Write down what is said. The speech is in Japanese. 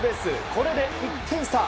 これで１点差。